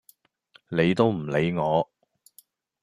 理都唔理我